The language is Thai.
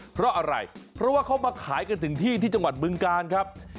เพราะอะไรเพราะว่าเขามาขายกันถึงที่ที่จังหวัดบึงกาลครับ